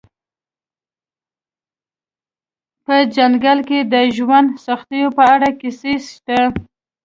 په ځنګل کې د ژوند سختیو په اړه کیسې شته